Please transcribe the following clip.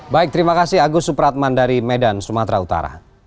baik terima kasih agus supratman dari medan sumatera utara